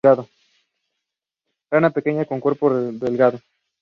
Rana pequeña con cuerpo delgado.